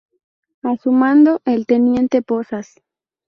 A su mando el teniente Pozas.